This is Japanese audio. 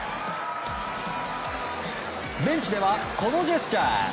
ベンチでは、このジェスチャー。